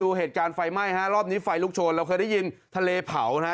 เหตุการณ์ไฟไหม้ฮะรอบนี้ไฟลุกโชนเราเคยได้ยินทะเลเผานะฮะ